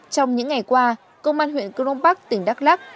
trong những ngày qua công an huyện công đông bắc tỉnh đắk lắc